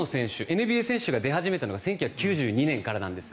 ＮＢＡ選手が出始めたのが１９９２年からなんです。